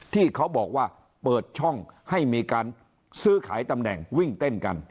ที่เขาบอกว่าเปิดช่องให้มีการซื้อขายตำแหน่งวิ่งเต้นกัน